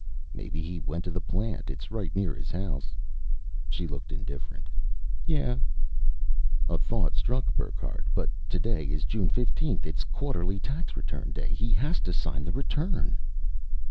"Maybe he went to the plant. It's right near his house." She looked indifferent. "Yeah." A thought struck Burckhardt. "But today is June 15th! It's quarterly tax return day he has to sign the return!"